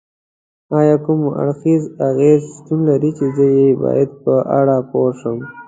ایا کوم اړخیزې اغیزې شتون لري چې زه یې باید په اړه پوه شم؟